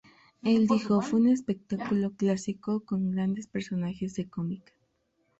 Él dijo: ""fue un espectáculo clásico con grandes personajes de cómic"".